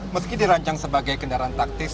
meski dirancang sebagai kendaraan taktis